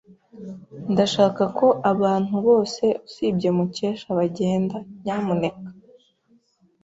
Ndashaka ko abantu bose usibye Mukesha bagenda, nyamuneka.